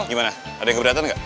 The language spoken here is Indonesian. gimana ada yang keberatan nggak